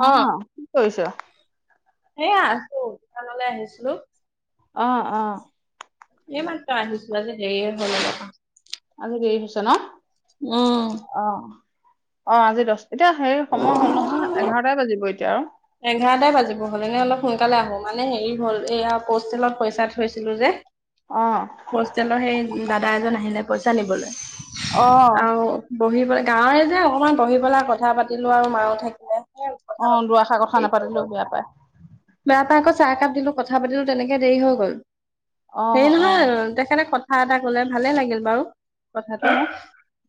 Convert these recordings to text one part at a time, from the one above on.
অ', কি কৰিছ? এ, আছো দোকানলৈ আহিছিলোঁ। অ', অ'। এই মাত্ৰ আহিছিলোঁ, আজি দেৰিয়ে হ'ল অলপ মান। আজি দেৰি হৈছে ন'? উম। অ', অ' আজি দছ, এতিয়া হেৰি সময় হ'ল নহয় এঘাৰটাই বাজিব এতিয়া আৰু। এঘাৰটাই বাজিব হ'ল, এনে অলপ সোনকালে আহোঁ, মানে হেৰি হ'ল এইয়া পষ্টেলত পইচা থৈছিলোঁ যে। অ হোষ্টেলৰ সেই দাদা এজন আহিলে পইচা নিবলৈ, অ আৰু বহি বলে, গাঁৱৰে যে অকমান বহি পেলাই কথা পাতিলো আৰু মায়ো থাকিলে। সেই কথা অ' দু পাতোতে এখাৰ অকমান কথা দেৰি হৈ গ'ল নাপাতিলেও বেয়া পাই। বেয়া পাই আকৌ চাহ একাপ দিলোঁ, কথা পাতিলো তেনেকে দেৰি হৈ গ'ল। অ হেৰি অ নহয় তেখেতে কথা এটা কলে ভালে লাগিল বাৰু কি কথাটো। ন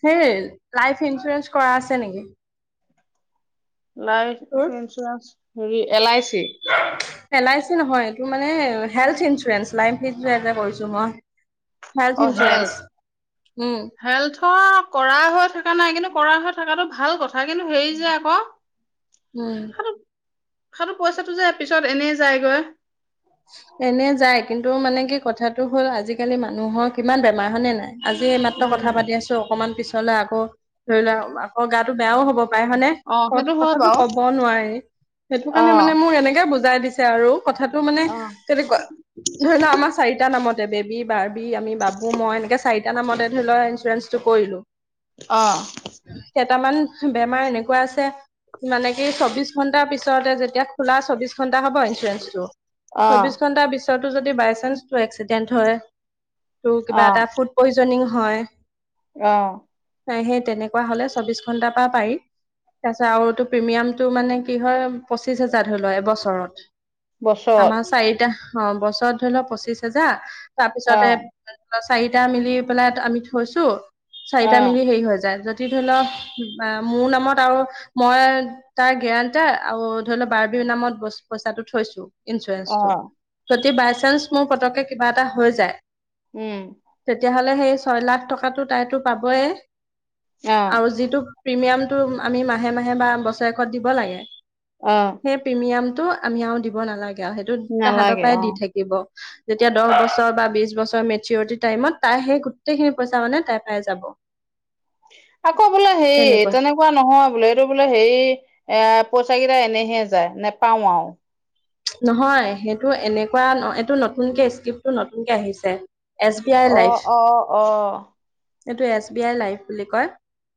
সেই লাইফ ইঞ্চুৰেঞ্চ কৰা আছে নেকি? লাইফ তোৰ ইঞ্চুৰেঞ্চ হেৰি L I C? L I C নহয় এইটো মানে হেল্থ ইঞ্চুৰেঞ্চ, লাইগ ইন্সুৰেন্স কৰিছো মই। Health insurance um. হেল্থৰ কৰা হৈ থকা নাই কিন্তু কৰা হৈ থকাটো ভাল কথা কিন্তু হেৰি যে আকৌ [unintelligible] উম। সেইটো সেইটো পইচাটো যে পিছত এনেই যায়গৈ। এনে যায় কিন্তু মানে কি কথাটো হ'ল আজিকালি মানুহৰ কিমান বেমাৰ হয় নে নাই? আজি এইমাত্ৰ কথা উম পাতি আছোঁ, অকণমান পিছলে আকৌ ধৰি লোৱা আকৌ গা বেয়াও হ'ব পাৰে হয় নে? অ সেইটো হয় ক-কথাটো বাৰু ক'ব নোৱাৰি সেইটো অ কাৰণে মানে মোক এনেকে বুজাই দিছে আৰু কথাটো মানে। অ'। ধৰি তেনেকুৱা ল' আমাৰ চাৰিটা নামতে বেবি, বাৰ্বি, আমি, বাবু, মই এনেকে চাৰিটা এতিয়া নামতে ধৰি ল' ইঞ্চুৰেঞ্চটো কৰিলো অ'। কেইটামান বেমাৰ এনেকুৱা আছে মানে কি চৌবিশ ঘন্টাৰ পিছতে যেতিয়া খোলা চৌবিশ ঘন্টা হ'ব ইঞ্চুৰেঞ্চটো? চৌবিশ অ ঘন্টাৰ পিছতো যদি বাইচান্স তোৰ এক্সিডেণ্ট হয়, তোৰ কিবা অ এটা ফুট পয়জনিং হয় অ'। নাই সেই তেনেকুৱা হ'লে চৌবিশ ঘণ্টাৰ পৰা পাৰি। তাৰপিছত আৰু এইটো প্ৰিমিয়ামটো মানে কি হয় পঁচিছ হোজাৰ ধৰি ল' এবছৰত। বছৰত আমাৰ চাৰিটা। অ' বছৰত ধৰি ল' পঁচিশ হোজাৰ তাৰপিছতে অ', চাৰিটা মিলি পেলাই আমি থৈছো, চাৰিটা অ', মিলি হেৰি হৈ যায় য ধৰি ল' মোৰ নামত আৰু মই তাৰ গেৰাণ্টাৰ আৰু ধৰি ল' বাৰ্বিৰ নামত পইচাটো থৈছো ইঞ্চুৰেঞ্চটো। অ', যদি বাইচানস মোৰ পটককে কিবা এটা হৈ যায় উম। তেতিয়াহ'লে সেই ছয় লাখ টকাটো তাইতো পাবয়ে অ', আৰু যিটো প্ৰিমিয়ামটো আমি মাহে মাহে বা বছৰেকত দিব লাগে অ'। সেই প্ৰিমিয়ামটো আমি আৰু দিব নালাগে আৰু সেইটো তাহঁতৰ নালাগে পৰাই দি অ', থাকিব। যেতিয়া দহ বছৰ বা বিশ বছৰ মেচিউৰিটি টাইমত তাই সেই গোটেইখিনি পইচা মানে তাই পাই যাব। আকৌ বোল হেই তেনেকুৱা তেনেক পোৱা নহয় বোলে এইটো বোলে হেৰি এ, পইচা কেইটা এনেহে যায়, নেপাও আৰু। নহয় সেইটো এনেকুৱা এইটো নতুনকে স্ক্ৰিপটো নতুনকে আহিছে। এছ বি আই অ', লাইভ। অ', অ'। এইটো এছ বি আই লাইভ বুলি কয়।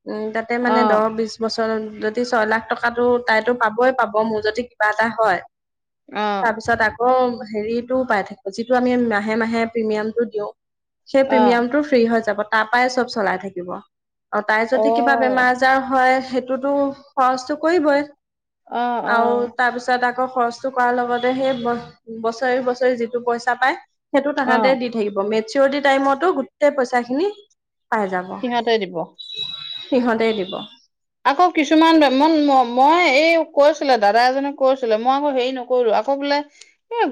উ, তাতে মানে অ', দ বছৰ যদি ছয় লাখ টকাটো তাইতো পাবই পাব, মোৰ যদি কিবা এটা হয় অ', তাৰপিছত আকৌ হেৰিতটো পাই থাকিব যিটো আমি মাহে মাহে প্ৰিমিয়ামটো দিও সেই অ', অ', প্ৰিমিয়ামটো ফ্ৰী হৈ যাব, তাৰপৰাই চব চলাই থাকিব। আৰু তাই যদি কিবা বেমাৰ আজাৰ হয় সেইটোতো খৰচটো কৰিবই। অ', আৰু অ', তাৰপিছত আকৌ সচ কৰ লগতে সেই বছৰি বছৰি যিটো পইচা পায় সেইটো অ তাহাঁতে দি থাকিব মে চিৰিটি টাইমতো গোটেই পইচা খিনি পাই যাব। সিহঁতে দিব। সিহঁতে দিব। আকৌ কিছুমান মই এই কৈছিলে দাদা এজনে কৈছিলে মই আকৌ হেৰি ন কৰো আকৌ বোলে, এ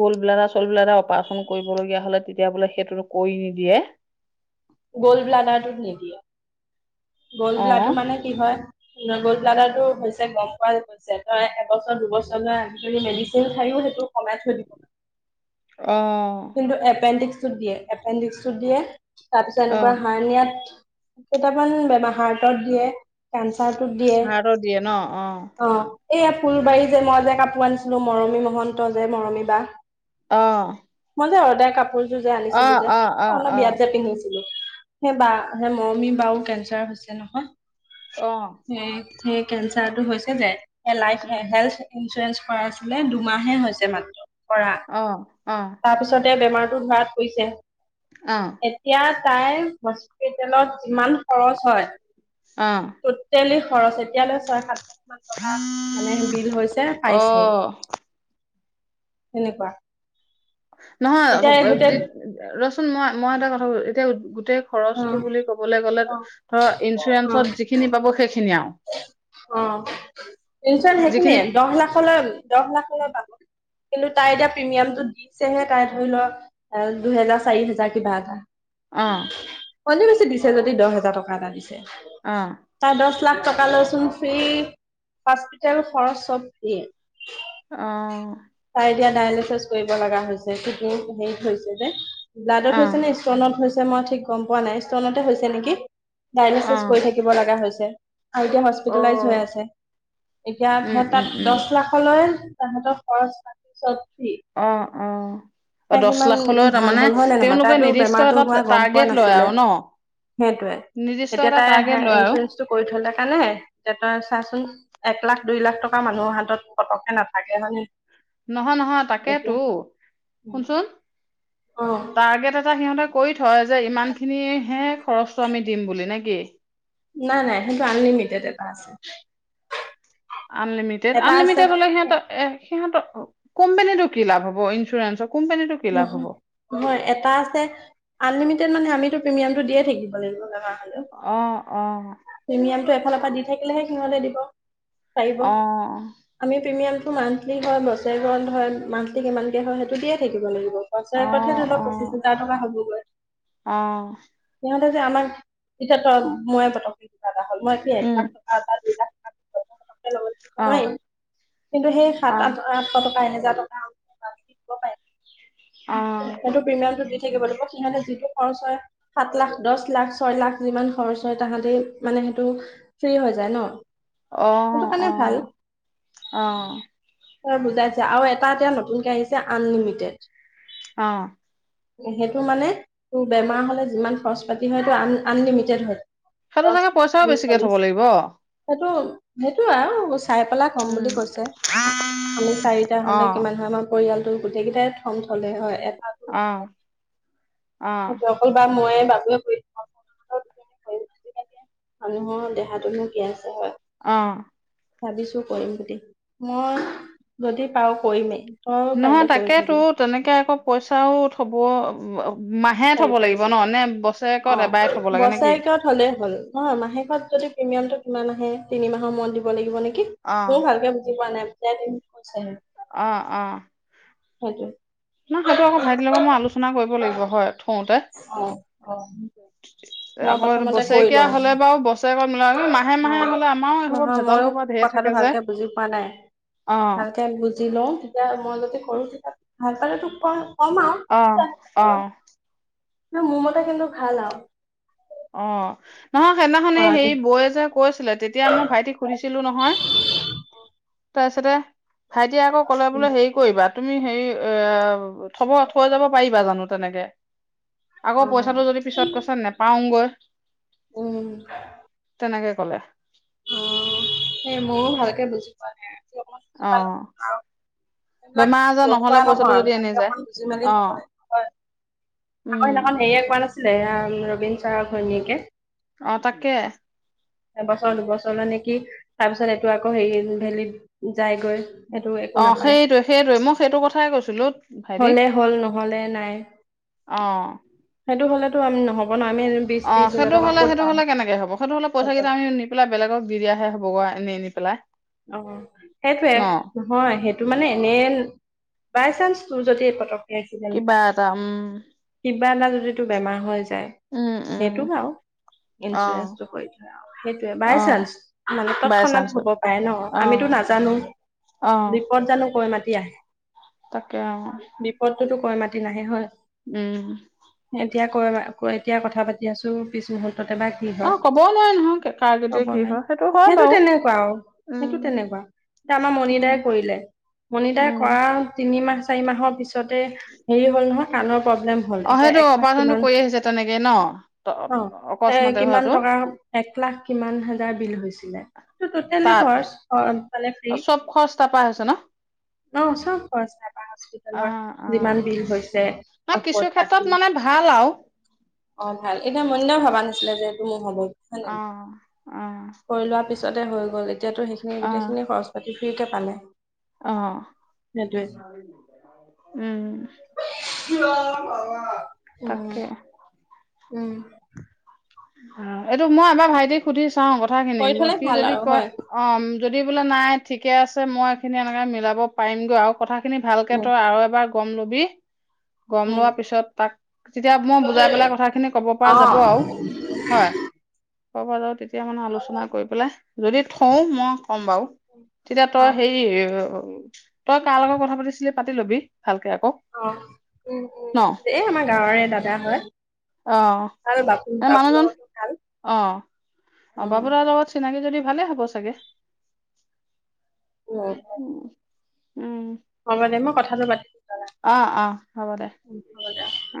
গোলবেলাটা চোলবেলা এটা অপাৰচন কৰিবলগীয়া হলে তেতিয়া বোলে সেইটোো কৰি নিদিয়ে। গ'ল্ড ব্লাডাৰটোত নিদিয়ে গ'ল্ অ ব্লাডু মানে কি হয় গল্ড ব্লডাৰ টো হৈছে গম পোৱা তই এবছৰ দুবছৰ ল আ যি মেডিচিন খাইও সেইটো কমাই থৈ দিব। অ, এপেণ্ডিক্সত দিয়ে এপেণ্ডিক্সত দিয়ে তাৰপিছত অ এনেকুৱা হাৰনিয়াত কেইটামান বেম হাৰ্টত দিয়ে কেঞ্চাৰটোত দিয়ে। হাৰ্টত দিয়ে ন অ, অ, এইয়া ফুলবাৰী যে মই যে কাপোৰ আনিছিলোঁ মৰমী মহন্ত যে মৰমী বা, অ, মই যে সদায় কাপোৰযোৰ যে অ আনিছিলোঁ যে অ অ অলপ অ বিয়াত যে পিন্ধিছিলোঁ। সেই বা স মৰমি বাও কেঞ্চাৰ হৈছে নহয়। অ, সেই কেঞ্চাৰটো হৈছে যে লাইফ উম হেল্থ ইঞ্চুৰেঞ্চ কৰা আছিলে দুমাহে হৈছে মাত্ৰ কৰা, অ, অ, তাৰপিছতে বেমাৰটো ধৰাত পৰিছে, অ, এতিয়া তাইৰ হস্পিতেলত যিমান খৰচ হয়, অ, ট'টেলি খৰচ এতিয়ালৈ ছয় সাত কিমান টকা মানে বিল হৈছে অ পাইছে তেনেকুৱা। এতিয়া এই নহয়ি গোটেই ৰচোন মই মই এটা কথা এতিয়া গোটেই অ খৰচটো বুলি ক'বলৈ গ'লে অ ধৰ ইঞ্চুৰেঞ্চত অ যিখিনি পাব সেইখিনি আৰু? অ পচন সেইখিনিয়ে যিখিনি দহ লাখলৈ দহ লাখলৈ পাব। কিন্তু তাই এতিয়া প্ৰিমিয়ামটো দিছেহে তাই ধৰি লওক, দুহেজাৰ চাৰি হেজাৰ কিবা এটা। অ', অতি বেছি দিছে যদি দহ হাজাৰ টকা এটা দিছে। অ', তাই দহ লাখ টকা লৈচোন ফ্ৰ্ৰী হস্পিটেল খৰচ চব দিয়ে। অ', তাই এতিয়া ডায়েলিচিছ কৰিব লগা হৈছে। কিন্তু হেৰিত হৈছে যে ব্লাডত অ', হৈছে নে ষ্টনত মই ঠিক গম পোৱা নাই। ষ্টনতে হৈছে নেকি ডাইলেচেচ অ', অ', কৰি থাকিব লগা হৈছে। এতিয়া হস্পিতালাইজ হৈ আছে। এতিয়া উম, সি উম, তাত উম, দহ লাখলৈ তাহতক খৰচ পাতি চ'ব ফ্ৰী। অ, অ', তাই দচ কিমান লাখলৈ ভাল তাৰমানে হ'ল হয় নে নহয় তেওঁলোকে তাইতো নিৰ্দিষ্ট বেমাৰটো হোৱা এটা গম পোৱা টাৰ্গেট লয় নাছিলে আৰু ন? সেইটোৱে নিৰ্দিষ্ট এতিয়া এটা তাই টাৰ্গেট লয় আৰু? ইঞ্চুৰেঞ্চটো কৰি থ'লে কাৰণে এতা চাচোন, এক লাখ দুই লাখ টকা মানুহৰ হাতত পতককে নাথাকে হয়নে? নহয় নহয় তাকেতো এতিয়া শুনচোন অ টাৰ্গেট এটা সিহঁতে কৰি থয় যে ইমানখিনিহে খৰচটো আমি দিম বুলি নে কি? নাই, নাই, সেইটো আনলিমিটেড এটা আছে। আনলিমিটেড, এটা আছে আনলিমিটেড, হ'লে সিহঁত সিহঁতৰ কোম্পানীটো কি লাভ হ'ব, ইঞ্চুৰেঞ্চৰ কোম্পানীতটো নহয় নহয় এটা আছে আনলিমিটেড মানে আমিতো প্ৰিমিয়ামটো দিয়ে থাকিব লাগিব জানা অ' অ' প্ৰিমিয়ামটো এফালৰ পৰা দি থাকিলেহে, সিহতে দিব পাৰিব। আমি প্ৰিমিয়ামটো মান্থলি হয়, বছেৰে গধ হয় মান্থলি কিমানকে হয় সেইটো দিয়ে থাকিব লাগিব। অ', বছৰেকত হে অ', ধৰি লক অ'। পঁচিছ হাজাৰ টকা হবগৈ। অ, সিহঁতে যে আমাক এতিয়া মই পতককৈ কিবা এটা হ'ল মই এক উম, লাখ টকাৰ দুই লাখ টকা পতককে অ', নোৱাৰিম কিন্তু সেই সাত অ', আঠ আঠশ টকা এনেজাৰ টকা আমি দিব পাৰিম অ' সেইটো প্ৰিমিয়ামটো দি থাকিব লাগিব। সিহঁতে যিটো খৰচ হয়। সাত লাখ, দহ লাখ ছয় লাখ যিমান খৰচ হয় তাহাঁতে মানে সেইটো ফ্ৰী হৈ যায় ন অ', সটো অ', কাৰণে ভাল। অ', বুজাইছে আৰু এটা এতিয়া নতুনকে আহিছে আনলিমিটেড অ' সেইটো মানে, তোৰ বেমাৰ হ'লে যিমান খৰচ পাতি হয় সটো আন আনলিমিটেড হয়। সেইটো দহ চাগে, বিশ পইচাও ত্ৰিশ বেছিকে থ'ব চল্লিশ লাগিব। সেইটো, সেইটো, আৰু চাই পেলাই কম উম, বুলি কৈছে, আমি চাৰিটা হ'লে অ', কিমান হয় আমাৰ পৰিয়ালটো গোটেইকেইটাই প্ৰথম থলে হয় এটা অ', অ', সেই অকল বা মই বাবু মানুহৰ দেহাতো নো কি আছে হয়। অ' ভাবিছো কৰিম বুলি মই যদি পাও কৰিমেই। তই নহয় পাৰিলে কৰি তাকেতো থবি তেনেকে আকৌ পইচাও থব মাহে থব লাগিব ন নে বস্ত বছেৰেকত এটাই থব লাগে নে কি? থলেই হ'ল নহয় মাহেকত যদি প্ৰিমিয়ামটো কিমান আহে তিনিমাহৰ মোৰত দিব লাগিব নে কি। মোৰ অ', ভালকে বুজি পোৱা বোজাই দিবি পিছত কে অ' অ' হেইটো। ন সেইটো আকৌ ভাইটিৰ লগত মই আলোচনা কৰিব লাগিব হয় থওঁতে অ', মই আকৌ প্ৰথমতে কৰি বছৰেকীয়া লওঁ হলে, বাৰু বছৰেকৈ মিল মাহে অ মাহে হ'লে আমাৰো এই খবৰ নহয় ভেজাল মইয়ো খবৰ ঢেৰ কথাটো থাকে যে ভালকে বুজি পোৱা নাই, অ'। ভালকে বুজি [unintelligible] তেতিয়া মই যতে কৰো তেতিয়া ভালপালে তো কও অহ, অ ন ম'মোতটা কিন্তু ভাল আৰু অ', নহয়ক সেইদিনাখনে কৰাটো হেৰি বৌয় যে কৈছিলে তেতিয়া মই ভাইটিক সুধিছিলো নহয় তাৰপিছতে ভাইটিয় আকৌ কলে উম বোলে হে কি কৰিবা তুমি হেৰি এ থব থৈ যাব পাৰিবা জানো তেনেকে আকৌ পইচাটো যদি পিছত কৈছে নেপাওঁগৈ উম, তেনেকে ক'লে উ সেই ময়ও ভালকে বুজি পোৱা নাই অকমান বুজি পালো অ', আৰু এইবিলাক বেমাৰ আজাৰ নথোৱা নহলে পইচাটো নহয় যদি এনে ভালকে যায় অকমান বুজি অ', আমাৰ উম, সেইদিনাখন হেৰি এক মমান আছিলে ৰবীন চাৰ ঘৈণীয়েকে অ তাকে এবছৰ দুবছৰলে নে কি তাৰ পিছত এইটো আকৌ হেৰি ভেলীত যায়গৈ এইটো একো অ নাপায় সেইটোৱে সেইটোৱে মই সেইটো কথাই কৈছিলো ভাইটিক হলে হ'ল নহলে নাই অ সেইটো হ'লেতো আমি নহব ন আমি বিশ অ ত্ৰিশ হাজাৰ সেইটো টকা হলে ক'ত সেইটো পাম হ'লে কেনেকে হব সেইটো হ'লে অ পইচা কেইটা আমি নিম পেলাই বেলেগক দি দিয়াহে হ'ব আনি আনি পেলাই অ সেইতোয়ে ন হয় সেইটো মানে এনে বাই চান্স তোৰ যদি এই পতক কিবা এটা উম কিবা এটা যদি তোৰ বেমাৰ হৈ যায় উম উম সেইটো বও অ ইঞ্চুৰেঞ্চটো কৰি থই যাইআৰু সেইটোয়্ অ বাই চানস মানে বাই তৎক্ষণাত চান্সত হ'ব পাৰে ন অ আমিতো নাজানোও অ বিপদ জানো কৈ মাতি পেলাই আহে তাকে বিপদতটোতো কৈ মাতি নাহে হয় উম এতিয়া ক এতিয়া কথা পাতি আছো পিছ মুহূুৰ্ততে এবাক কি অ হয় ক'বও নোৱাৰি নহয় কাৰ কেতিয়া কব কি নাই হয় হয় সেইটো বাৰু তেনেকুৱা আৰু সেইটো উম তেনেকুৱা এয়া আমাৰ মণি উম দাই কৰিলে মণি দাই উম কৰা তিনিমাহ চাৰি মাহৰ পিছতে হেৰি হ'ল নহয় কাণৰ প্ৰব্লেম হল অ এতিয়া সেইটো এক লাখ অপাৰেচনটো কিমান কৰি আহিছে তেনেকে ন অ এ অকস্মাতে কিমান হোৱাটো টকা এক লাখ কিমান হাজাৰ বিল হৈছিলে ত টটেলি তাত খৰচ মানে ফ্ৰী চব খৰচা তাৰপাই হৈছে ন অ চব খৰচ নাই বা অ হস্পিতেলৰ অ যিমান বিল হৈছে ন কিছু ঔষধ পাতি ক্ষেত্ৰত মানে ভাল আৰু অ ভাল এতিয়া মনিদাও ভবা নাছিলে যে এইটো মোৰ হ'ব হয় অ ন অ কৰি লোৱা পিছতে হ'ল গ'ল এতিয়াত সেইসিনি অ', গোটেইখিনি খৰচ পাতি ফি্ৰীকে পালে অ সেইটোৱে উম উম, তাকে উম অ এইটো মই এবাৰ ভাইটিক সুধি চাও কথাখিনি কৰি থলে সি ভাল যদি আৰু কয় হয় অ যদি বোলে নাই ঠিকে আছে মই এইখিনি এনেকে মিলাব পাৰিমগৈ আৰু কথাখিনি ভালকে উম তই আৰু এবাৰ গম লবি গম উম। লোৱাৰ পিছত তাক তেতিয়া মই অ বুজাই পেলাই কথা খিনি কব পৰা যাব আৰু হয় ক'ব যাও তেতিয়া মানে আলোচনা কৰি পেলাই যদি থওঁ মই ক'ম বাৰু তেতিয়া অ তই হেৰি তই তাৰ লগত কথা পাতিছিলি পাতি লবি ভালকে আকৌ অ উম ন এই আমাৰ গাঁৱৰে দাদা হয় ভাল বাপ এ মানুহজন অ অ উম বাবুদাৰ লগত চিনাকি যদি ভালে হ'ব চাগে উ উ উম হ'ব দে মই কথাটো পাতিম অ অ হ'ব দে হ'ব দে অ